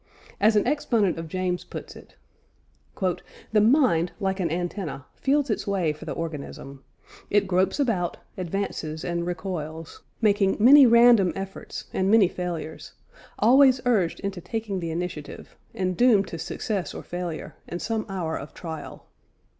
As an exponent of James puts it: "The mind, like an antenna, feels its way for the organism. It gropes about, advances and recoils, making many random efforts and many failures; always urged into taking the initiative and doomed to success or failure in some hour of trial."